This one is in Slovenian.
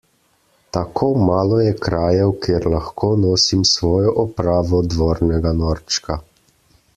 Tako malo je krajev, kjer lahko nosim svojo opravo dvornega norčka.